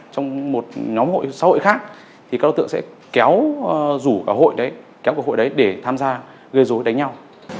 trong một nhóm xã hội khác thì các đối tượng sẽ kéo rủ cả hội đấy để tham gia gây dối đánh nhau